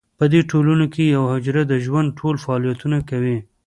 په دې ټولنو کې یوه حجره د ژوند ټول فعالیتونه کوي.